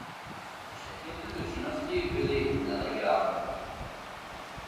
Všechny tyto činnosti byly nelegální.